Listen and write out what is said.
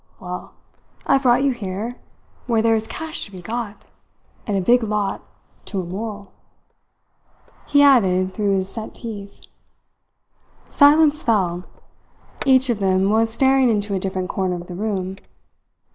Well, I've brought you here, where there is cash to be got and a big lot, to a moral," he added through his set teeth. Silence fell. Each of them was staring into a different corner of the room.